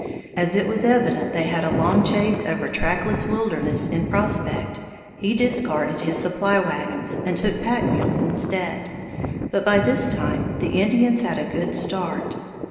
As it was evident they had a long chase over trackless wilderness in prospect, he discarded his supply wagons and took pack mules instead. But by this time the Indians had a good start.